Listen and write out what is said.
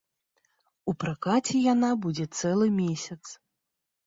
У пракаце яна будзе цэлы месяц.